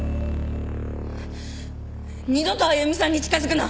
二度とあゆみさんに近づくな！